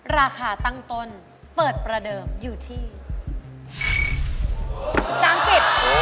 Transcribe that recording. ราคาตั้งต้นเปิดประเดิมอยู่ที่๓๐บาท